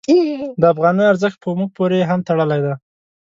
د افغانیو ارزښت په موږ پورې هم تړلی.